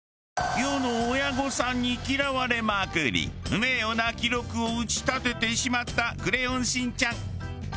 世の親御さんに嫌われまくり不名誉な記録を打ち立ててしまった『クレヨンしんちゃん』。